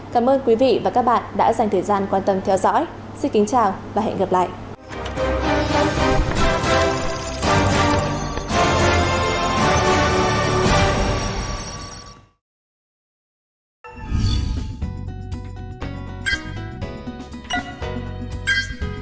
cảm ơn các bạn đã theo dõi và hẹn gặp lại